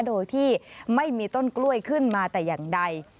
โดยที่ไม่มีต้นกล้วยขึ้นมาแต่อย่างใด